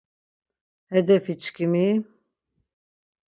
Hedefiçkimi...